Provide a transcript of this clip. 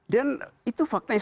dan itu faktanya